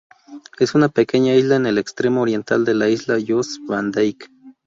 Es una pequeña isla en el extremo oriental de la isla Jost Van Dyke.